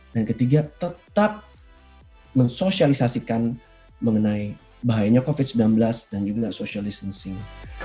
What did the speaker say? dan ketiga tetap mensosialisasikan mengenai bahayanya covid sembilan belas dan juga social distancing